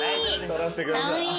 ・撮らせてください。